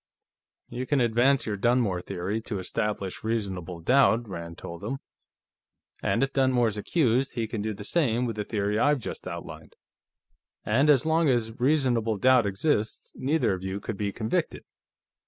"You can advance your Dunmore theory to establish reasonable doubt," Rand told him. "And if Dunmore's accused, he can do the same with the theory I've just outlined. And as long as reasonable doubt exists, neither of you could be convicted.